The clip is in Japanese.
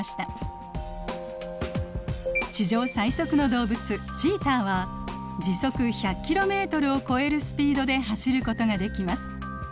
地上最速の動物チーターは時速１００キロメートルを超えるスピードで走ることができます。